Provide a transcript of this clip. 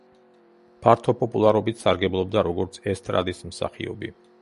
ფართო პოპულარობით სარგებლობდა როგორც ესტრადის მსახიობი.